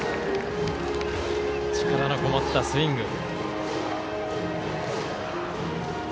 力のこもったスイング。